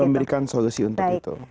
memberikan solusi untuk itu